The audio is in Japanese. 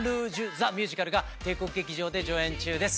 ザ・ミュージカル』が帝国劇場で上演中です。